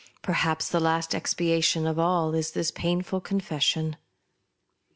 Perhaps the last expiation of all this is painful confession.